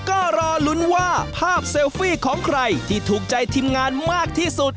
ก็รอลุ้นว่าภาพเซลฟี่ของใครที่ถูกใจทีมงานมากที่สุด